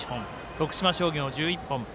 徳島商業、１１本。